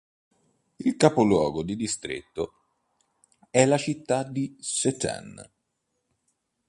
Il capoluogo di distretto è la città di Vsetín.